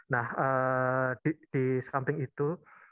nah di samping itu